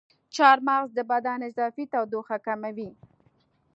چارمغز د بدن اضافي تودوخه کموي.